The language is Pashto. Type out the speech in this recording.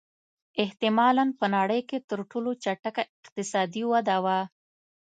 احتمالًا په نړۍ کې تر ټولو چټکه اقتصادي وده وه.